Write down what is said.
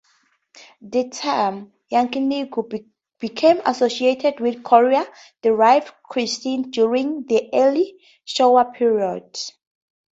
The term "yakiniku" became associated with Korean-derived cuisine during the early Showa period.